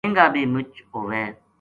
مہنگا بے مُچ ہوے